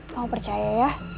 kamu percaya ya